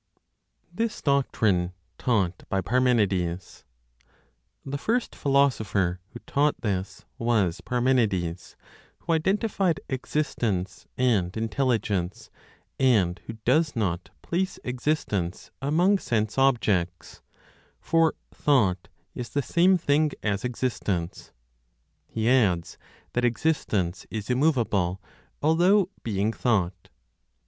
THIS DOCTRINE TAUGHT BY PARMENIDES. The first philosopher who taught this was Parmenides, who identified Existence and Intelligence, and who does not place existence among sense objects, "for, thought is the same thing as existence." He adds that existence is immovable, although being thought.